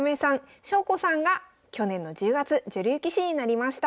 翔子さんが去年の１０月女流棋士になりました。